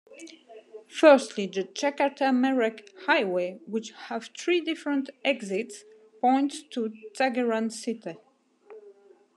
Firstly, the Jakarta-Merak highway, which have three different exits points to Tangerang city.